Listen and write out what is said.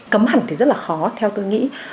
cấm hẳn thì rất là khó theo tôi nghĩ